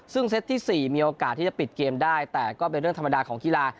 ซึ่งเซตที่๔มีโอกาสที่จะปิดเกมได้แต่ก็เป็นเรื่องธรรมดาของกีฬา